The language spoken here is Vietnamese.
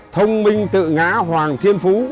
thông minh tự ngã hoàng thiên phú